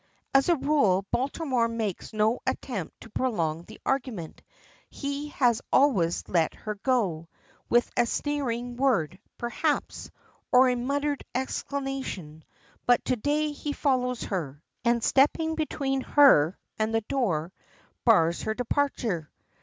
As a rule, Baltimore makes no attempt to prolong the argument. He has always let her go, with a sneering word, perhaps, or a muttered exclamation; but to day he follows her, and stepping between her and the door, bars her departure.